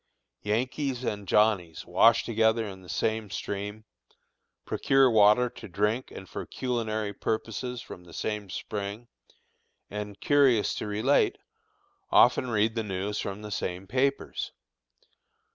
Yankees and Johnnies wash together in the same stream, procure water to drink and for culinary purposes from the same spring, and, curious to relate, often read the news from the same papers.